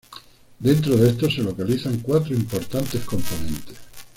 Dentro de estos se localizan cuatro importantes componentes.